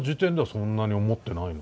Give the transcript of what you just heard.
そんなに思ってないの？